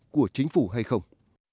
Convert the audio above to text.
của chính phủ hay không